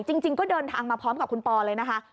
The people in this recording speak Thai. จริงก็เดินทางมาพร้อมกับคุณปอเลยนะคะ